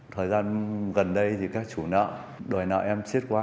thời gian gần đây thì các chủ nợ đòi nợ em chiết qua